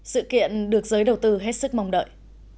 sự kiện được giới đầu tư hết sức mong đợi